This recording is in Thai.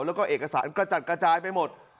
แล้วก็เอกสารกระจัดกระจายไปหมด